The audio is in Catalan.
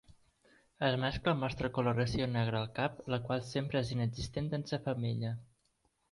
El mascle mostra coloració negra al cap, la qual sempre és inexistent en la femella.